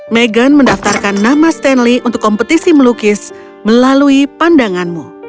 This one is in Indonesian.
meghan mendaftarkan nama stanley untuk kompetisi melukis melalui pandanganmu